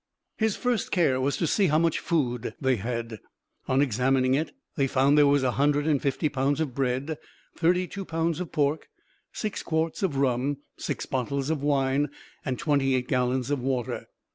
His first care was to see how much food they had. On examining it, they found there was a hundred and fifty pounds of bread, thirty two pounds of pork, six quarts of rum, six bottles of wine, and twenty eight gallons of water.